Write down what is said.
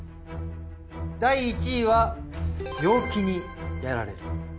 第１位は病気にやられる。